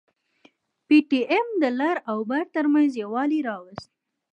پي ټي ايم د لر او بر ترمنځ يووالي راوست.